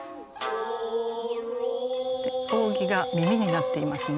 扇が耳になっていますね。